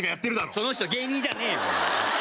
その人芸人じゃねえよ！